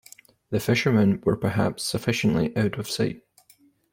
The fishermen were perhaps sufficiently out of sight.